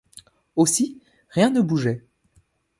Aussi rien ne bougeait.